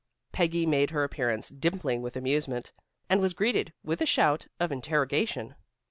Peggy made her appearance dimpling with amusement, and was greeted with a shout of interrogation.